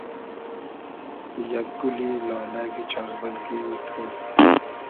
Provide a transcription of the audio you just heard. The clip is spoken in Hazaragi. یئگ گولی لالئگی چار بئلگې مہ تو